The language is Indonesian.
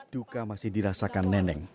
duka masih dirasakan neneng